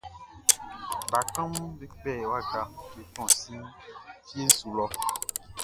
Bakanʼm be kpɛ waka be tɔn si fie su lɔ.